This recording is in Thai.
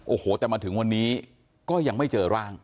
โอ้โหแต่มาถึงวันนี้ก็ยังไม่เจอร่าง